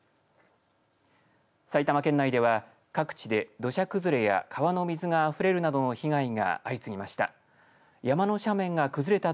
埼玉県内では各地で土砂崩れや川の水があふれるなどの被害が相次ぎました。